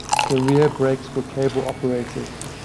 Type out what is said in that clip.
The rear brakes were cable-operated.